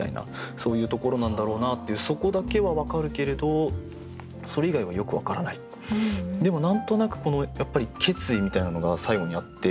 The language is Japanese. そういうところなんだろうなっていうそこだけはわかるけれどでも何となくやっぱり決意みたいなのが最後にあって。